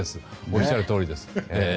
おっしゃるとおりです。